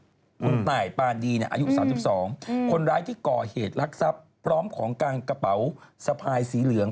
คุณตายปานดีเนี่ยอายุ๓๒คนร้ายที่ก่อเหตุลักษัพพร้อมของกลางกระเป๋าสะพายสีเหลือง